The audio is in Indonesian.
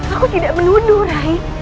aku tidak menuduh rai